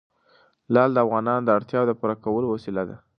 لعل د افغانانو د اړتیاوو د پوره کولو وسیله ده.